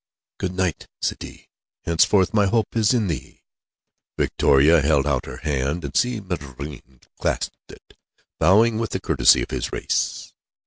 "Good night, Sidi. Henceforth my hope is in thee." Victoria held out her hand, and Si Maïeddine clasped it, bowing with the courtesy of his race.